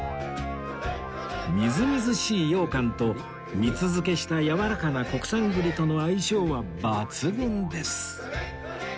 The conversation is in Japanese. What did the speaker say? みずみずしい羊羹と蜜漬けしたやわらかな国産栗との相性は抜群です